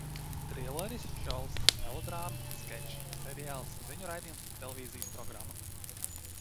Trilleris, šovs, melodrāma, skečs, seriāls, ziņu raidījums. Televīzijas programma.